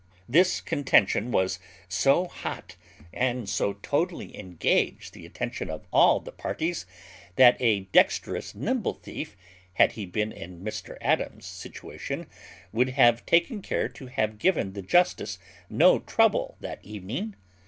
This contention was so hot, and so totally engaged the attention of all the parties, that a dexterous nimble thief, had he been in Mr Adams's situation, would have taken care to have given the justice no trouble that evening.